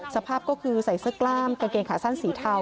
สภาพก็คือใส่เสื้อกล้ามกางเกงขาสั้นสีเทา